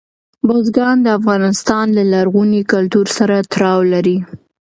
بزګان د افغانستان له لرغوني کلتور سره تړاو لري.